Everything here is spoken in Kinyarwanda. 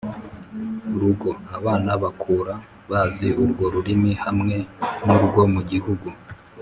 rugo abana bakura bazi urwo rurimi hamwe n urwo mu gihugu